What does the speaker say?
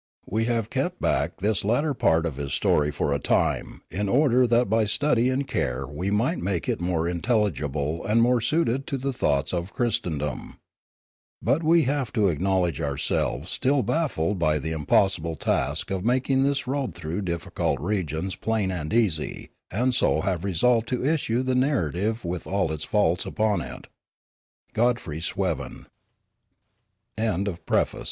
We have kept back this latter part of his story for a time in order that by study and care we might make it more intelligible and more suited to the thoughts of Christendom. But we have to acknowledge ourselves still baffled by the impossible task of making this road through difficult regions plain and easy, and so have resolved to issue the narrative with all its faults